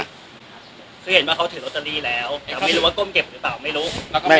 คือเห็นว่าเขาถือลอตเตอรี่แล้วแต่เขาไม่รู้ว่าก้มเก็บหรือเปล่าไม่รู้